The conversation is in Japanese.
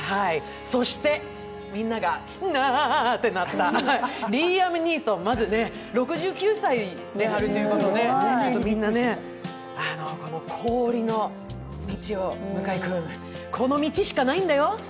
そして、みんなが、なぁってなったリーアム・ニーソン、まず６９歳になるということで、氷の道を行く、この道しかないんだよ。